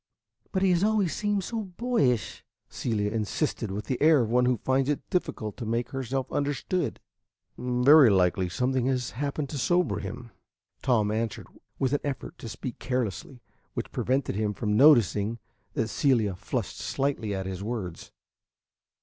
"But he has always seemed so boyish," Celia insisted, with the air of one who finds it difficult to make herself understood. "Very likely something has happened to sober him," Tom answered, with an effort to speak carelessly, which prevented him from noticing that Celia flushed slightly at his words.